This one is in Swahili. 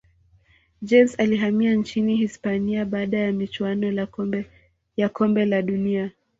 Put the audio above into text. james alihamia nchini hisipania baada ya michuano ya kombe la dunia